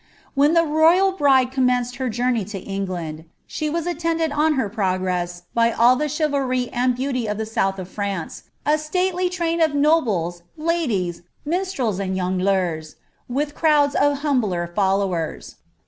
When the royal bride commenced her journey to England, she was attended on her progress by all the chivalry and beauty of the south of Fiance, a stately train of nobles, ladies, minstrels, and jongleurs, with crowds of humbler followers.